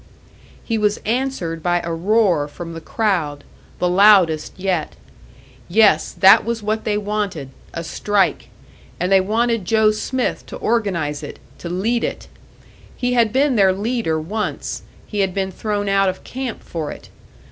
_" He was answered by a roar from the crowd, the loudest yet. Yes, that was what they wanted! A strike! And they wanted Joe Smith to organise it, to lead it. He had been their leader once, he had been thrown out of camp for it.